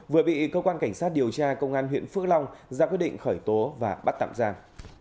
vừa bị cơ quan cảnh sát điều tra công an huyện phước long ra quyết định khởi tố và bắt tạm giam